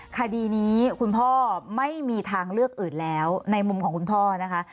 คดีนี้คุณพ่อไม่มีทางเลือกอื่นแล้วในมุมของคุณพ่อนะคะ